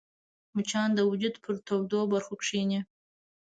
مچان د وجود پر تودو برخو کښېني